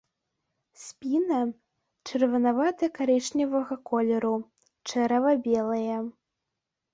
Спіна чырванавата-карычневага колеру, чэрава белае.